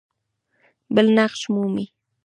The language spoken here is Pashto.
بل نقش مومي.